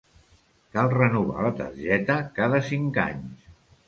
Cal renovar la targeta cada cinc anys.